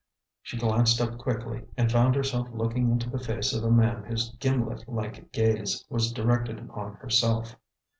She glanced up quickly, and found herself looking into the face of a man whose gimlet like gaze was directed upon herself.